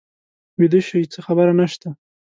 ویده شئ څه خبره نه شته.